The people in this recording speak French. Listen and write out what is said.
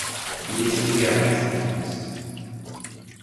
Il est situé à Brest en France.